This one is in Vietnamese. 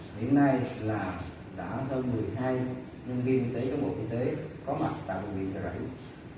hiện nay là đã hơn một mươi hai nhân viên y tế các bộ y tế có mặt tại bệnh viện trực lãnh